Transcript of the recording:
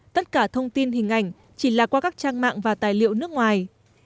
tất cả thông tin hình ảnh chỉ là qua các trang mạng và tài liệu nước ngoài